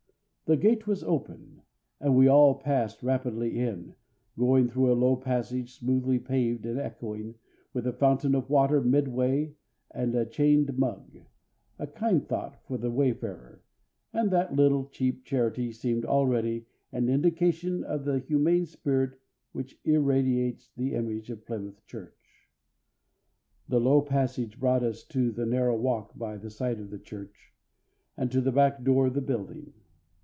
The gate was open, and we all passed rapidly in, going through a low passage smoothly paved and echoing, with a fountain of water midway and a chained mug a kind thought for the wayfarer and that little cheap charity seemed already an indication of the humane spirit which irradiates the image of Plymouth Church. The low passage brought us all to the narrow walk by the side of the church, and to the back door of the building.